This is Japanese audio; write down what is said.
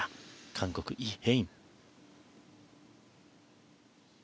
韓国、イ・ヘイン。